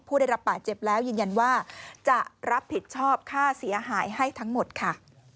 ผู้ได้รับบาดเจ็บแล้วยืนยันว่าจะรับผิดชอบค่าเสียหายให้ทั้งหมดค่ะ